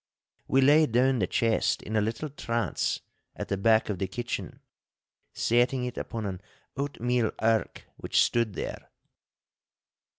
We laid down the chest in a little trance at the back of the kitchen, setting it upon an oatmeal ark which stood there.